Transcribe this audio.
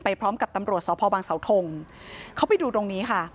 พร้อมกับตำรวจสพบังเสาทงเขาไปดูตรงนี้ค่ะ